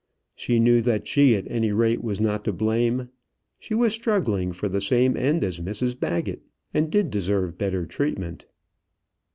She knew that she at any rate was not to blame. She was struggling for the same end as Mrs Baggett, and did deserve better treatment.